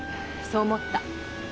そう思った。